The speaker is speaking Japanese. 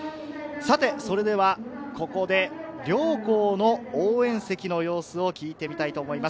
それではここで両校の応援席の様子を聞いてみたいと思います。